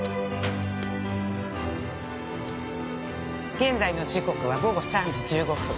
現在の時刻は午後３時１５分。